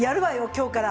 今日から！